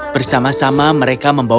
bersama sama mereka membangun